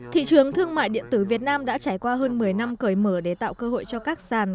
thị trường thương mại điện tử việt nam đã trải qua hơn một mươi năm cởi mở để tạo cơ hội cho các sàn